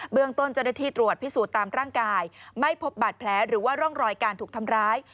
เรื่องต้นเจ้าหน้าที่ตรวจพิสูจน์ตามร่างกายไม่พบบาดแผลหรือว่าร่องรอยการถูกทำร้าย